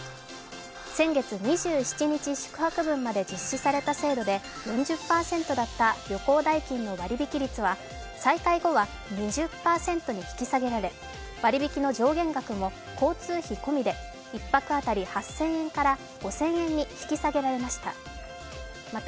先月２７日宿泊分まで実施された制度で４０％だった旅行代金の割引率は再開後は２０％に引き下げられ割り引きの上限額も交通費込みで１泊当たり８０００円から５０００円に引き下げられました。